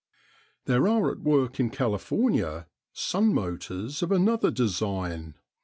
There are at work in California sun motors of another design.